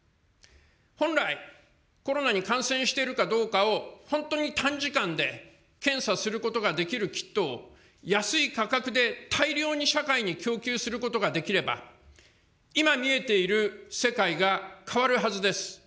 本来、コロナに感染しているかどうかを本当に短時間で検査することができるキットを安い価格で大量に社会に供給することができれば、今見えている世界が変わるはずです。